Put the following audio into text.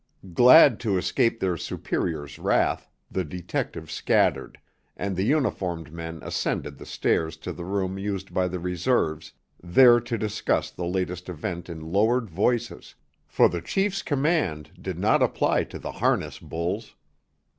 Glad to escape their superior's wrath, the detectives scattered, and the uniformed men ascended the stairs to the room used by the reserves, there to discuss the latest event in lowered voices, for the chief's command did not apply to the "harness bulls."